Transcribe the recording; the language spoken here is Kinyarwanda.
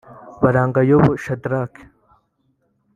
Barangayabo Shadrack